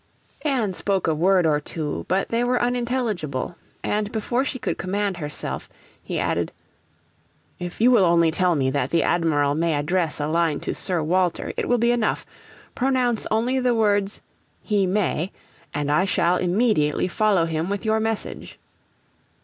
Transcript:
Anne spoke a word or two, but they were unintelligible; and before she could command herself, he added, 'If you will only tell me that the Admiral may address a line to Sir Walter, it will be enough. Pronounce only the words, he may, and I shall immediately follow him with your message.'